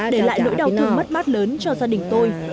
để lại nỗi đau thương mất mát lớn cho gia đình tôi